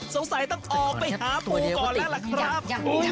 สงสัยต้องออกไปหาปูก่อนแล้วล่ะครับ